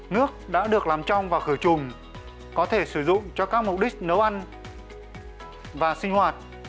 nước đã được làm trong và khử trùng có thể sử dụng cho các mục đích nấu ăn và sinh hoạt